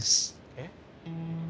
えっ？